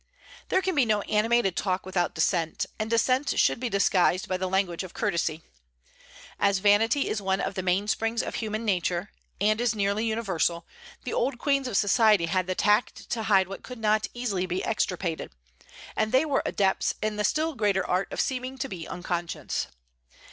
There can be no animated talk without dissent; and dissent should be disguised by the language of courtesy. As vanity is one of the mainsprings of human nature, and is nearly universal, the old queens of society had the tact to hide what could not easily be extirpated; and they were adepts in the still greater art of seeming to be unconscious.